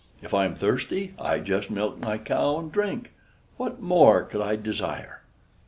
If I am thirsty, I just milk my cow and drink. What more could I desire?"